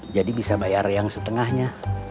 jadi bisa bayar yang setengahnya